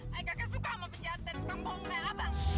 saya gagal suka sama penjahat dan suka bohong kayak abang